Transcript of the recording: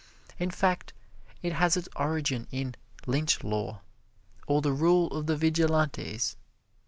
In fact, it has its origin in "Lynch Law," or the rule of the Vigilantes.